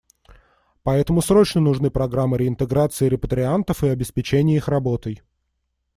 Поэтому срочно нужны программы реинтеграции репатриантов и обеспечения их работой.